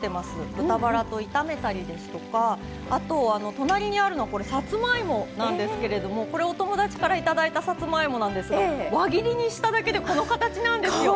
豚ばらと炒めたりですとかあと、さつまいもなんですけどお友達からいただいたさつまいもなんですが輪切りにしただけでこの形なんですよ。